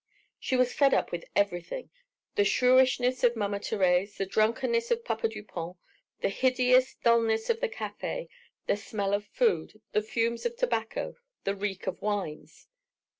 She was fed up with everything, the shrewishness of Mama Thérèse, the drunkenness of Papa Dupont, the hideous dullness of the café, the smell of food, the fumes of tobacco, the reek of wines.